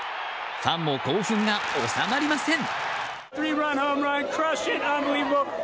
ファンも興奮が収まりません。